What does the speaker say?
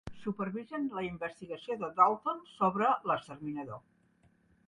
Supervisen la investigació de Dalton sobre l'Exterminador.